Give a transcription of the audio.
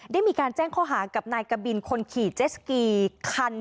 ได้มีการแจ้งข้อหากับนายกะบินคนขี่เจสกีคัน